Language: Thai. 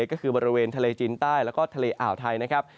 ก็คือบริเวณทะเลจีนใต้แล้วก็ทะเลอ่าวไทยนะครับ